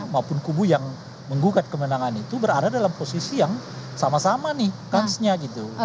maupun kubu yang menggugat kemenangan itu berada dalam posisi yang sama sama nih kansnya gitu